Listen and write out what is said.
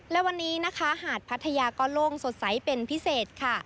และวันนี้นะคะหาดพัทยาก็โล่งสดใสเป็นพิเศษค่ะ